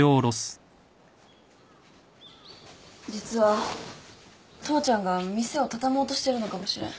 実は父ちゃんが店を畳もうとしてるのかもしれん。